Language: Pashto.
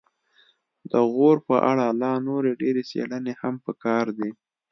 د غور په اړه لا نورې ډېرې څیړنې هم پکار دي